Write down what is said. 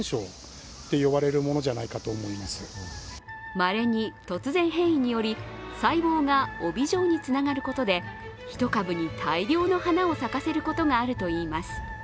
まれに突然変異により、細胞が帯状につながることで１株に大量の花を咲かせることがあるといいます。